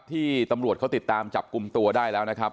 ที่ตำรวจเขาติดตามจับกลุ่มตัวได้แล้วนะครับ